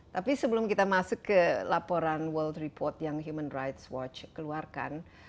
tapi sebelum kita masuk ke laporan world report yang human rights watch keluarkan